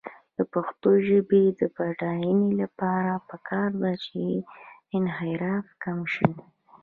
د پښتو ژبې د بډاینې لپاره پکار ده چې انحراف کم شي.